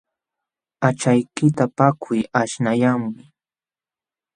Aychaykita paqakuy aśhnayanmi.